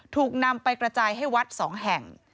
ถูกนำไปกระจายให้วัด๒แห่ง